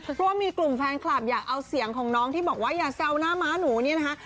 เพราะว่ามีกลุ่มแฟนคลับอยากเอาเสียงของน้องที่บอกว่าอย่าแซวหน้าม้าหนูเนี่ยนะคะ